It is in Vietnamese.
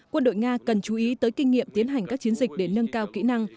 quân đội nga cần chú ý tới kinh nghiệm tiến hành các chiến dịch để nâng cao kỹ năng